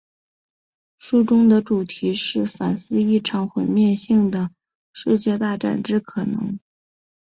书中的主题是反思一场毁灭性的世界大战之可能。